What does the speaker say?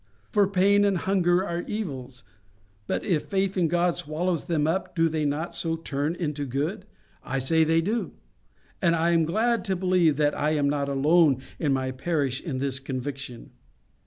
For pain and hunger are evils, but if faith in God swallows them up, do they not so turn into good? I say they do. And I am glad to believe that I am not alone in my parish in this conviction.